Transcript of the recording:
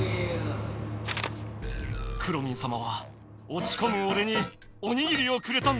くろミンさまはおちこむおれにおにぎりをくれたんだ。